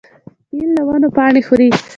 فیل له ونو پاڼې خوري.